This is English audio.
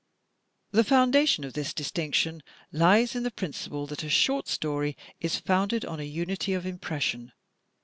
The foundation of this distinction lies in the principle that a short story is founded on a unity of impression.